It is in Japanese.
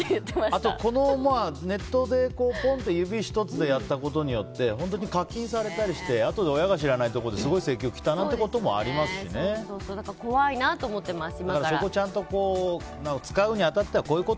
あと、ネットでぽんと指１つでやったことによって課金されたりしてあとで親が知らないところですごい請求来たな怖いなと思ってます